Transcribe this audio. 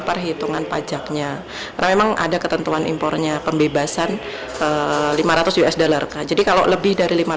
perhitungan pajaknya memang ada ketentuan impornya pembebasan lima ratus us dollar jadi kalau lebih dari lima ratus